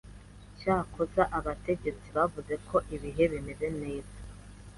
Cyakoze abategetsi bavuze ko ibihe bimeze neza